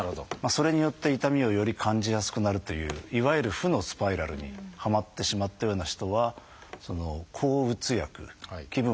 それによって痛みをより感じやすくなるといういわゆる負のスパイラルにはまってしまったような人は抗うつ薬気分を変えるような薬。